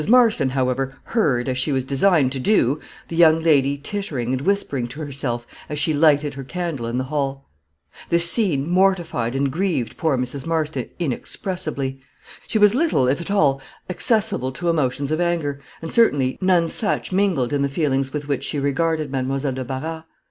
Marston, however, heard, as she was designed to do, the young lady tittering and whispering to herself, as she lighted her candle in the hall. This scene mortified and grieved poor Mrs. Marston inexpressibly. She was little, if at all, accessible to emotions of anger and certainly, none such mingled in the feelings with which she regarded Mademoiselle de Barras.